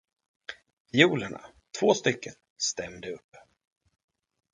Fiolerna, två stycken, stämde upp.